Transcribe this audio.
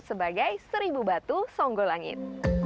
sebagai seribu batu songgolangit